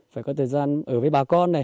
phải có thời gian ở với bà con